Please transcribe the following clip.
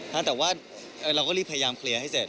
แต่ว่าเราก็รีบพยายามเคลียร์ให้เสร็จ